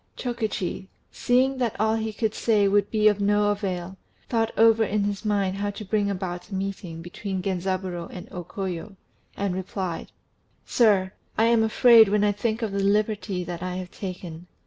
Chokichi, seeing that all that he could say would be of no avail, thought over in his mind how to bring about a meeting between Genzaburô and O Koyo, and replied "Sir, I am afraid when I think of the liberty that I have taken.